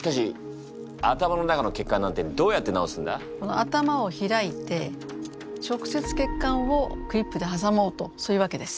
頭を開いて直接血管をクリップで挟もうとそういうわけです。